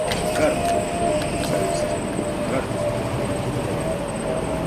— Карт — мыйын специальностем, карт — мыйын киндем.